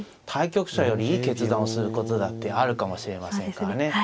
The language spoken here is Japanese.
対局者よりいい決断をすることだってあるかもしれませんからね。